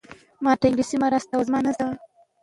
دเงินบาทไทย نړیوال مرسته د سولې په لور ګام دی.